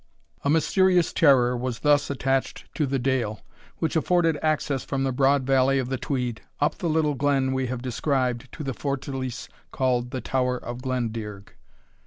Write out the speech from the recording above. A mysterious terror was thus attached to the dale, which afforded access from the broad valley of the Tweed, up the little glen we have described, to the fortalice called the Tower of Glendearg.